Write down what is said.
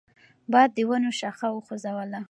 باد د ونو شاخه وخوځوله.